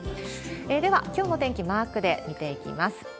では、きょうの天気、マークで見ていきます。